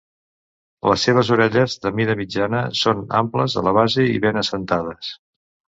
Les seves orelles, de mida mitjana, són amples a la base i ben assentades.